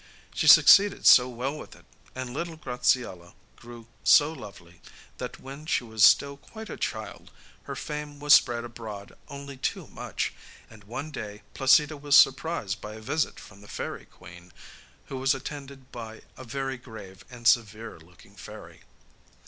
She succeeded so well with it, and little Graziella grew so lovely, that when she was still quite a child her fame was spread abroad only too much, and one day Placida was surprised by a visit from the Fairy Queen, who was attended by a very grave and severe looking fairy.